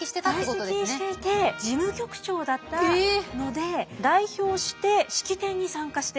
在籍していて事務局長だったので代表して式典に参加して。